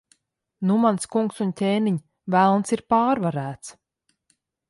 Nu, mans kungs un ķēniņ, Velns ir pārvarēts.